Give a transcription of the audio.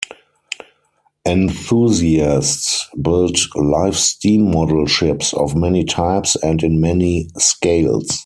Enthusiasts build live steam model ships of many types and in many scales.